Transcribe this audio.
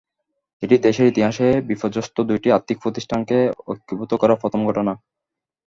এটি দেশের ইতিহাসে বিপর্যস্ত দুটি আর্থিক প্রতিষ্ঠানকে একীভূত করার প্রথম ঘটনা।